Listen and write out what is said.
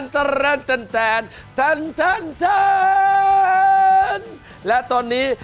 ตั้นและตอนนี้